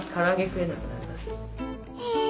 へえ。